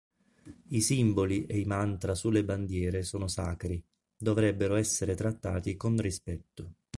I simboli e i mantra sulle bandiere sono sacri, dovrebbero essere trattati con rispetto.